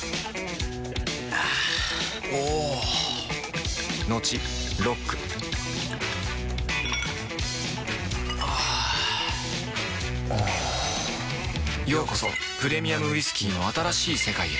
あぁおぉトクトクあぁおぉようこそプレミアムウイスキーの新しい世界へ